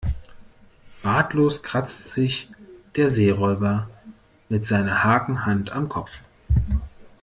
Ratlos kratzt sich der Seeräuber mit seiner Hakenhand am Kopf.